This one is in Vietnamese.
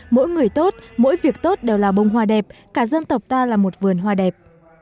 mỗi người tốt mỗi việc tốt đều là bông hoa đẹp cả dân tộc ta là một vườn hoa đẹp